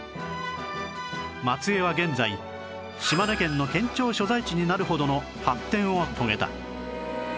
松江は現在島根県の県庁所在地になるほどの発展を遂げた